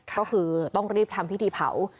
ก็คือต้องรีบทำพิธีเผา